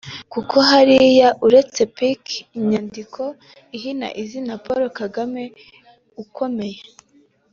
Kuko hariya uretse pk (inyandiko ihina izina Paul Kagame) ukomeye